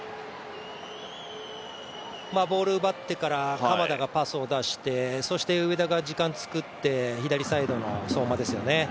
ボールを奪ってから鎌田がパスを出してそして上田が時間作って、左サイドの相馬ですよね。